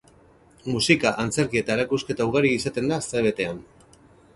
Musika, antzerki eta erakusketa ugari izaten da astebetean.